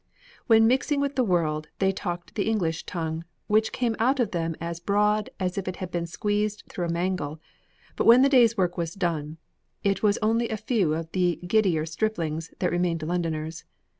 When mixing with the world they talked the English tongue, which came out of them as broad as if it had been squeezed through a mangle, but when the day's work was done, it was only a few of the giddier striplings that remained Londoners.